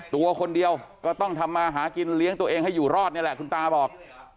ตัวคนเดียวก็ต้องทำมาหากินเลี้ยงตัวเองให้อยู่รอดนี่แหละคุณตาบอก